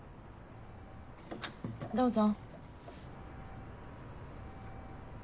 どうぞ。